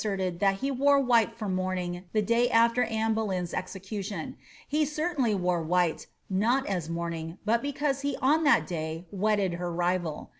commonly iwerted that he wore white for mooming the day after Annt Boleyn^s execution *, he certainly wore white, not ai moamiiif , but be cause he on that day wedded her rival.